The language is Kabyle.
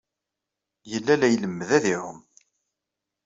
Yella la ilemmed ad iɛum.